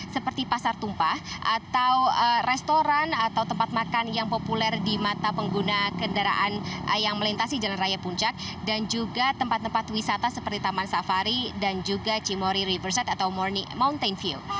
seperti pasar tumpah atau restoran atau tempat makan yang populer di mata pengguna kendaraan yang melintasi jalan raya puncak dan juga tempat tempat wisata seperti taman safari dan juga cimori riverset atau mountain view